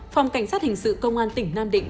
phòng cảnh sát hình sự công an tỉnh nam định